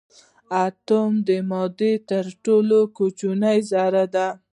اتوم د مادې تر ټولو کوچنۍ ذره ده.